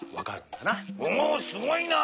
おすごいな。